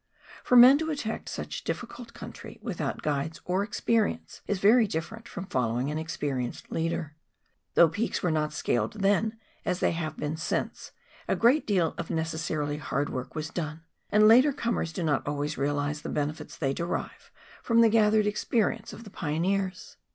For men to attack such a difficult country without guides or experience is very different from following an experienced leader. Though peaks were not scaled then as they have been since, a great deal of necessarily hard work was done, and later comers do not always realise the benefits they derive from the gathered experience of the pioneers.